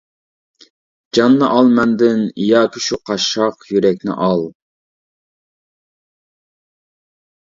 جاننى ئال مەندىن ياكى شۇ قاششاق يۈرەكنى ئال.